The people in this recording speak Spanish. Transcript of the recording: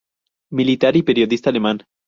Militar y periodista alemán.